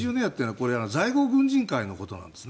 在郷軍人会のことなんです。